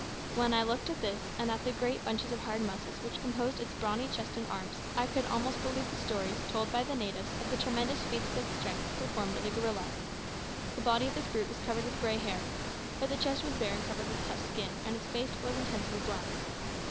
When I looked at this and at the great bunches of hard muscles which composed its brawny chest and arms, I could almost believe in the stories told by the natives of the tremendous feats of strength performed by the gorilla. The body of this brute was covered with grey hair, but the chest was bare and covered with tough skin, and its face was intensely black.